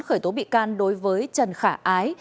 khởi tố bị can đối với trần khả ái